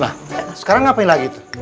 nah sekarang ngapain lagi tuh